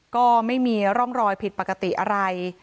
ก็ไม่มีร่องรอยผิดปกติอะไร